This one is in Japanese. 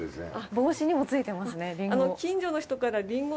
帽子にもついてますねりんご。